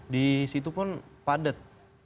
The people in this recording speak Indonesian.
di situ pun padat